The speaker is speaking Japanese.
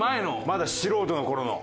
まだ素人の頃の。